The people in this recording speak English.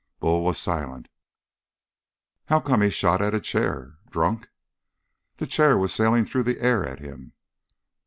Bull was silent. "How come he shot at a chair? Drunk?" "The chair was sailing through the air at him."